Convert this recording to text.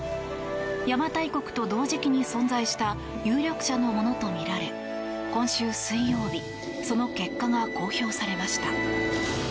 邪馬台国と同時期に存在した有力者のものとみられ今週水曜日その結果が公表されました。